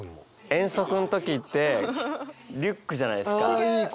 遠足の時ってリュックじゃないですか。